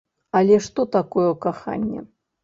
Але што такое каханне?